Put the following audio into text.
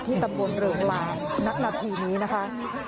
ที่ตำบลเรืองราวนักหลักผีนี้นะคะ